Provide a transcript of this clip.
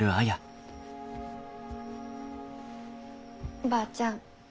おばあちゃん